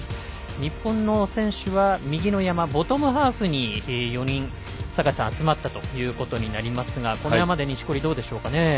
日本の選手は右の山、ボトムハーフに４人、集まったということになりますがこの山で錦織はどうでしょうかね。